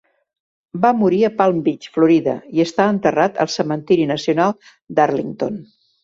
Va morir a Palm Beach, Florida, i està enterrat al cementiri nacional d'Arlington.